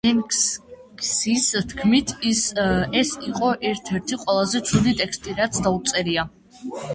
ბენქსის თქმით, ეს იყო ერთ-ერთი ყველაზე ცუდი ტექსტი, რაც დაუწერია.